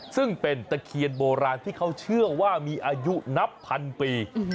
ซึ่งเป็นตะเคียนโบราณที่เขาเชื่อว่ามีอายุนับพันปี